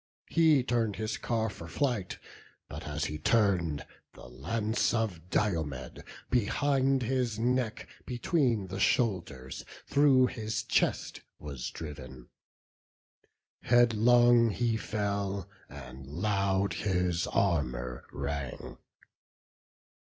He turn'd his car for flight; but as he turn'd, The lance of Diomed, behind his neck, Between the shoulders, through his chest was driv'n; Headlong he fell, and loud his armour rang.